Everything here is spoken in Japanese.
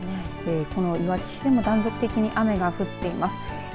このいわき市でも断続的に雨が降っています